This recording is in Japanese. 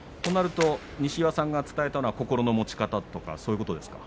西岩さんが伝えたのは心の持ち方とかそういうことですか。